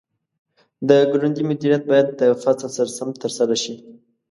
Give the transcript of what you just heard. د کروندې مدیریت باید د فصل سره سم ترسره شي.